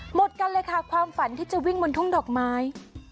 หมดกันเลยค่ะความฝันที่จะวิ่งบนทุ่งดอกไม้